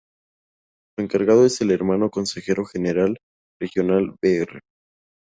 Su encargado es el Hermano Consejero General Regional Br.